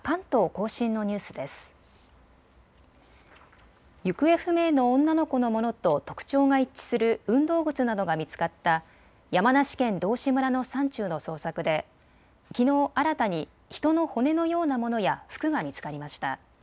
行方不明の女の子のものと特徴が一致する運動靴などが見つかった山梨県道志村の山中の捜索できのう新たに人の骨のようなものや服が見つかりました。